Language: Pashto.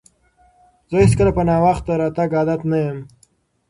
زه هیڅکله په ناوخته راتګ عادت نه یم.